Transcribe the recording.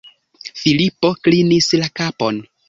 Filipo klinis la kapon.